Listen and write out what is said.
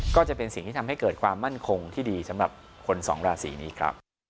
ก็จะเป็นสิ่งที่ทำให้เกิดความมั่นคงที่ดีสำหรับคนสองราศีนี้ครับ